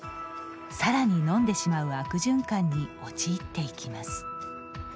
さらに飲んでしまう悪循環に陥っていきます。